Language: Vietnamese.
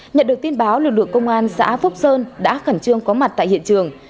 nhận được tin báo lực lượng công an xã phúc sơn đã khẩn trương có mặt tại hiện trường